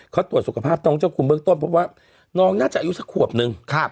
เขาตรวจสุขภาพน้องเจ้าคุณเบื้องต้นเพราะว่าน้องน่าจะอายุสักขวบนึง